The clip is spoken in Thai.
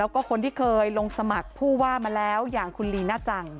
แล้วก็คนที่เคยลงสมัครผู้ว่ามาแล้วอย่างคุณลีน่าจัง